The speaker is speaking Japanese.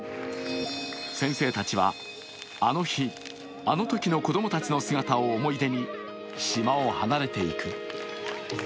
先生たちはあの日、あのときの子供たちの姿を思い出に島を離れていく。